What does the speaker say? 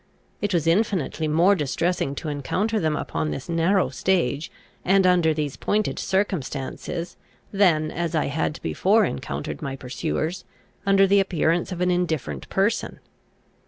It was infinitely more distressing to encounter them upon this narrow stage, and under these pointed circumstances, than, as I had before encountered my pursuers, under the appearance of an indifferent person.